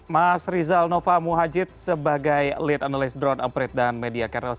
mas rizal nova muhadjid sebagai lead analyst drone operator dan media kairos